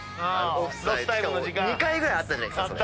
しかも２回ぐらいあったじゃないですかそれ。